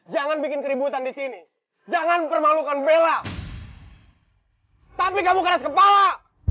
jangan bikin keributan disini jangan permalukan bella tapi kamu keras kepala